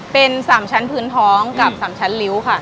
เป็น๓ชั้นพื้นท้องกับ๓ชั้นริ้วค่ะ